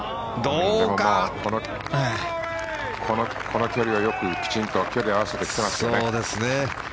この距離をよくきちんと距離を合わせてきましたね。